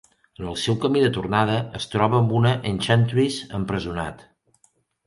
En el seu camí de tornada, es troba amb una Enchantress empresonat.